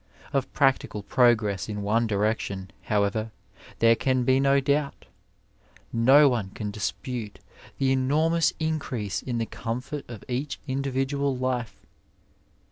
Of practical progress in one direction, however, there can be no doubt ; no one can dispute the enormous increase in the comfort of each individual life.